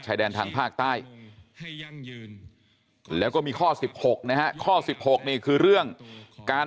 แดนทางภาคใต้แล้วก็มีข้อ๑๖นะฮะข้อ๑๖นี่คือเรื่องการ